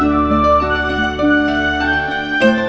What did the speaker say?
coba ditambah dari si entik